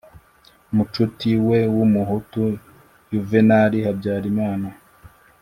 «mucuti» we w'umuhutu yuvenali habyarimana.